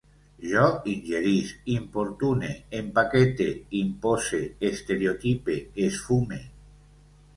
Jo ingerisc, importune, empaquete, impose, estereotipe, esfume